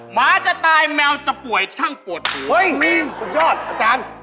หมาจะตายแมวจะป่วยช่างปวดป่วยเฮ้ยสุดยอดอาจารย์